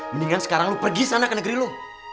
mendingan sekarang lu pergi sana ke negeri lo